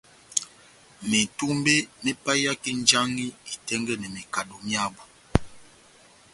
Metumbe me paiyaki njaŋhi itɛ́ngɛ́nɛ mekado myábu.